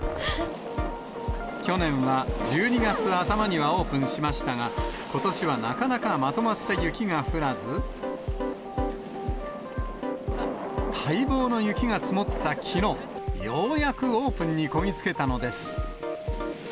去年は１２月頭にはオープンしましたが、ことしはなかなかまとまった雪が降らず、待望の雪が積もったきのう、ようやくオープンにこぎ着けたのです。